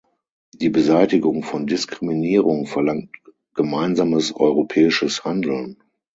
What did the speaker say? Die Beseitigung von Diskriminierung verlangt gemeinsames europäisches Handeln.